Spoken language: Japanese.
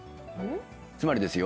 つまりですよ。